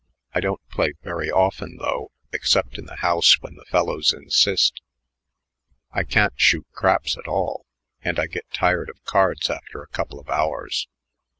"I don't play very often, though, except in the house when the fellows insist. I can't shoot craps at all, and I get tired of cards after a couple of hours."